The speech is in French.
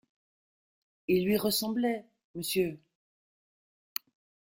Il lui ressemblait, monsieur!